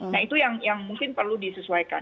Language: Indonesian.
nah itu yang mungkin perlu disesuaikan